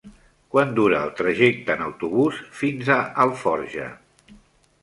Quant dura el trajecte en autobús fins a Alforja?